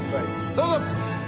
どうぞ！